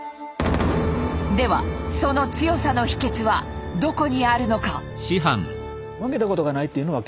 ではその強さの秘けつはどこにあるのか。